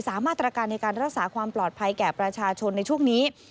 มาตรการในการรักษาความปลอดภัยแก่ประชาชนในช่วงนี้